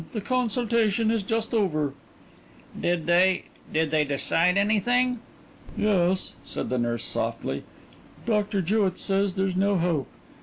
The consultation is just over." "Did they did they decide anything?" "Yes," said the nurse softly. "Doctor Jewett says there's no hope. Mr.